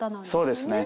そうですね。